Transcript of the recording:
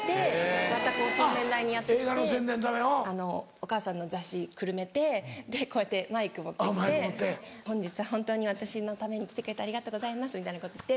お母さんの雑誌くるめてこうやってマイク持って来て「本日は本当に私のために来てくれてありがとうございます」みたいなこと言って。